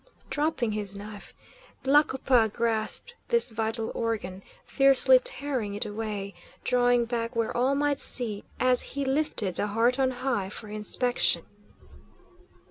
Dropping his knife, Tlacopa grasped this vital organ, fiercely tearing it away, drawing back where all might see as he lifted the heart on high for inspection.